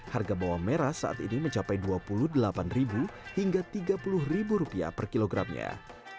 harga bawang merah saat ini mencapai rp dua puluh delapan hingga rp tiga puluh per kilogramnya